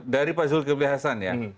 dari pak zulkifli hasan